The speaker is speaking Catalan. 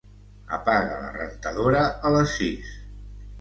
Apaga la rentadora a les sis.